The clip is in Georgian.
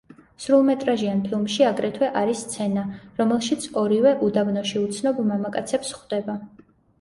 სრულმეტრაჟიან ფილმში აგრეთვე არის სცენა, რომელშიც ორივე უდაბნოში უცნობ მამაკაცებს ხვდება.